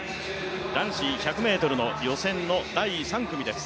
男子１００ｍの予選の第３組です